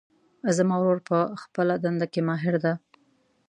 زما ورور په خپلهدنده کې ماهر ده